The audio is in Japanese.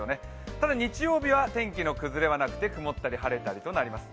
ただ日曜日は天気の崩れはなくて曇ったり晴れたりします。